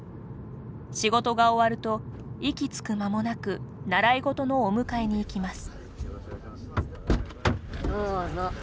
仕事が終わると息つくまもなく習い事のお迎えに行きます。